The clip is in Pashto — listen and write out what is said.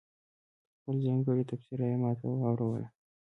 خپله ځانګړې تبصره یې ماته واوروله.